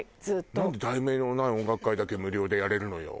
なんで『題名のない音楽会』だけ無料でやれるのよ？